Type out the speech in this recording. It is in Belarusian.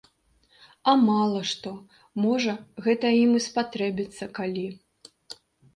А мала што, можа, гэта ім і спатрэбіцца калі.